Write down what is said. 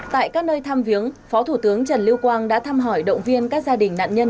tại các nơi tham viếng phó thủ tướng trần lưu quang đã thăm hỏi động viên các gia đình nạn nhân